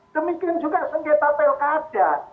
demikian juga sengketa pelkadah